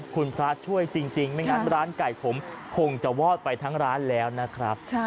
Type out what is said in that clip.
คุณพระช่วยจริงไม่งั้นร้านไก่ผมคงจะวอดไปทั้งร้านแล้วนะครับ